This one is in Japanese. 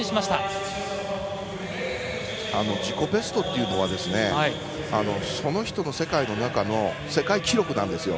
自己ベストというのはその人の世界の中の世界記録なんですよ。